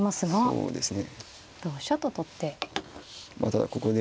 そうですね。